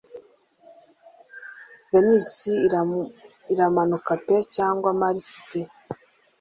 Venus iramanuka pe cyangwa Mars pe